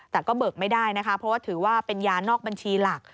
แต่ก็เบิกไม่ได้นะคะเพราะว่าถือว่าเป็นยานอกบัญชีหลัก